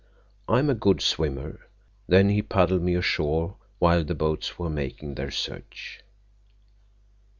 I am a good swimmer. Then he paddled me ashore while the boats were making their search."